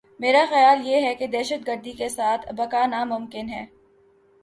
میرا خیال یہ ہے کہ دہشت گردی کے ساتھ بقا ناممکن ہے۔